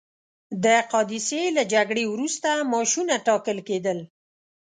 د قادسیې له جګړې وروسته معاشونه ټاکل کېدل.